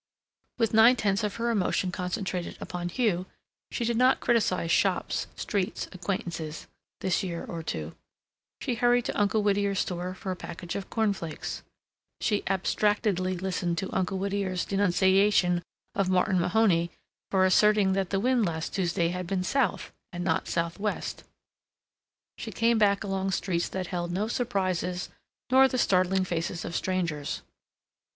With nine tenths of her emotion concentrated upon Hugh, she did not criticize shops, streets, acquaintances ... this year or two. She hurried to Uncle Whittier's store for a package of corn flakes, she abstractedly listened to Uncle Whittier's denunciation of Martin Mahoney for asserting that the wind last Tuesday had been south and not southwest, she came back along streets that held no surprises nor the startling faces of strangers.